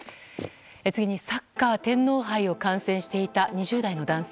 次にサッカー天皇杯を観戦していた２０代の男性